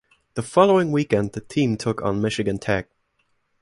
The following weekend the team took on Michigan Tech.